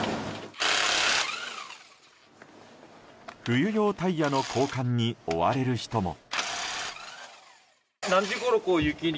冬用タイヤの交換に追われる人も。